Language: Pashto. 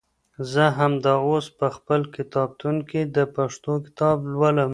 زه همدا اوس په خپل کتابتون کې د پښتو کتاب لولم.